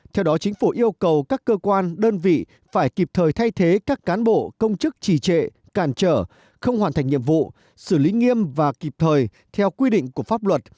theo đó chính phủ yêu cầu các cơ quan đơn vị phải kịp thời thay thế các cán bộ công chức trì trệ cản trở không hoàn thành nhiệm vụ xử lý nghiêm và kịp thời theo quy định của pháp luật